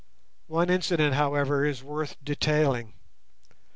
One incident, however, is worth detailing.